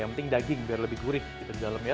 yang penting daging biar lebih gurih di dalam ya